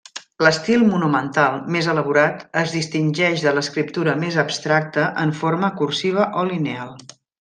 L'estil monumental, més elaborat, es distingeix de l'escriptura més abstracta en forma cursiva o lineal.